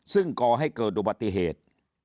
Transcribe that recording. ซึ่งก่อให้เกิดอุบัติเหตุ